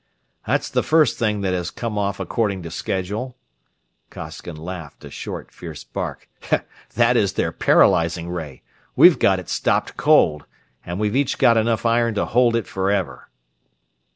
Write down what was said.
"That's the first thing that has come off according to schedule." Costigan laughed, a short, fierce bark. "That is their paralyzing ray; we've got it stopped cold, and we've each got enough iron to hold it forever."